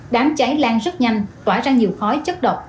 đám cháy lan rất nhanh tỏa ra nhiều khói chất độc